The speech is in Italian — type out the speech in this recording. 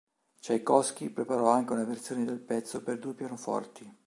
Čajkovskij preparò anche una versione del pezzo per due pianoforti.